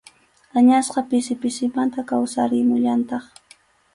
Añasqa pisi pisimanta kawsarimullantaq.